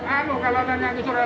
aduh kalau tanya curah